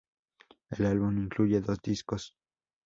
El álbum incluye dos discos.